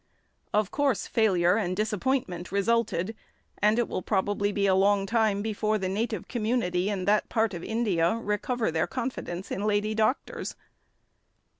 Of course failure and disappointment resulted, and it will probably be a long time before the native community in that part of India recover their confidence in lady doctors.